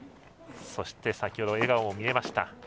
そして、先ほど笑顔も見えました。